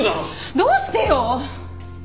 どうしてよ！